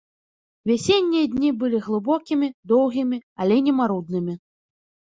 Вясеннія дні былі глыбокімі, доўгімі, але не маруднымі.